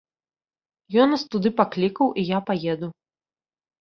Ён нас туды паклікаў, і я паеду.